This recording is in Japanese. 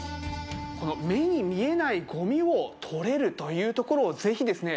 目に見えないゴミを取れるというところをぜひですね